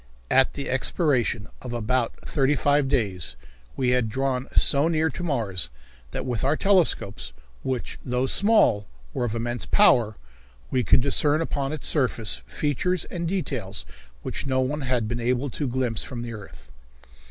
At the expiration of about thirty five days we had drawn so near to Mars that with our telescopes, which, though small, were of immense power, we could discern upon its surface features and details which no one had been able to glimpse from the earth.